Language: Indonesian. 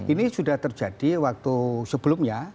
ini sudah terjadi waktu sebelumnya